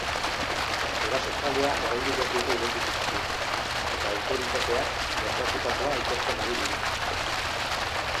Erasotzailea oraindik ez dute identifikatu eta autoritateak gertatutakoa ikertzen ari dira.